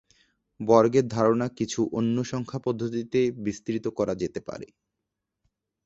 বর্গের ধারণা কিছু অন্য সংখ্যা পদ্ধতিতে বিস্তৃত করা যেতে পারে।